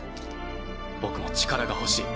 僕も力が欲しい。